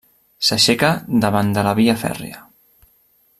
S'aixeca davant de la via fèrria.